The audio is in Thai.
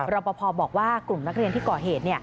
รอปภบอกว่ากลุ่มนักเรียนที่ก่อเหตุ